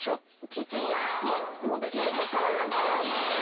父が元警察官なんですよ。ええ！